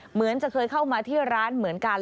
เหมือนจะเคยเข้ามาที่ร้านเหมือนกัน